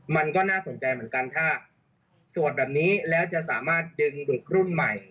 มันก็น่าสนใจเหมือนกันถ้าสวดแบบนี้แล้วจะสามารถดึงเด็กรุ่นใหม่